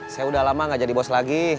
saya udah lama gak jadi bos lagi